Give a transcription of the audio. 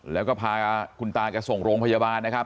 แล้วก็พาคุณตาแกส่งโรงพยาบาลนะครับ